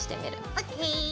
ＯＫ！